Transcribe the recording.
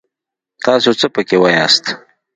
تاڅو څه پکې واياست!